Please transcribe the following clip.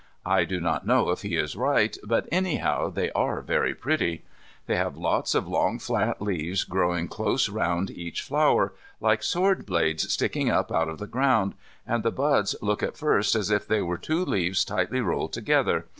I do not know if he is right, but anyhow they are very pretty. They have lots of long flat leaves growing close round each flower, like sword blades sticking up out of the ground, and the buds look at first as if they were two leaves tightly rolled together.